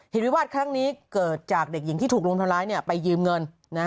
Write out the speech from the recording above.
วิวาสครั้งนี้เกิดจากเด็กหญิงที่ถูกรุมทำร้ายไปยืมเงิน